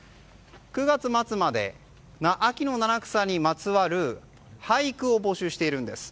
９月末まで秋の七草にまつわる俳句を募集しているんです。